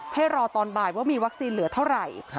ให้รอตอนบ่ายว่ามีวัคซีนเหลือเท่าไหร่